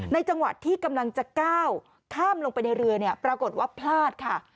จังหวะที่กำลังจะก้าวข้ามลงไปในเรือเนี่ยปรากฏว่าพลาดค่ะ